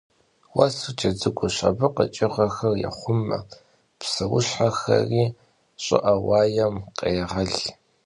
Vuesır cedıguş: abı kheç'ığexer yêxhume, pseuşheri ş'ı'e vuaêm khrêğel.